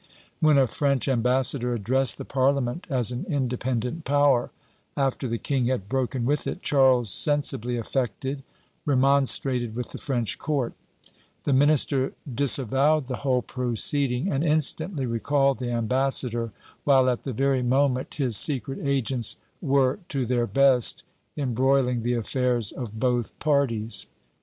When a French ambassador addressed the parliament as an independent power, after the king had broken with it, Charles, sensibly affected, remonstrated with the French court; the minister disavowed the whole proceeding, and instantly recalled the ambassador, while at the very moment his secret agents were, to their best, embroiling the affairs of both parties.